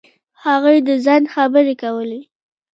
هغوی د ځنډ خبرې کولې.